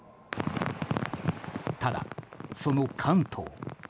ただ、その関東。